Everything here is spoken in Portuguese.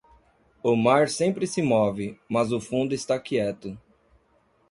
O mar sempre se move, mas o fundo está quieto.